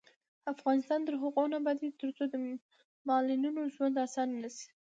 افغانستان تر هغو نه ابادیږي، ترڅو د معلولینو ژوند اسانه نشي.